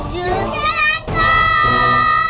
jelangkung bisa dari sini